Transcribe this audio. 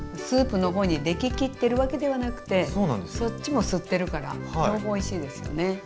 スープの方にでき切ってるわけではなくてそっちも吸ってるから両方おいしいですよね。